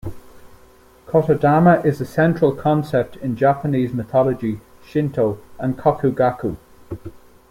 "Kotodama" is a central concept in Japanese mythology, Shinto, and Kokugaku.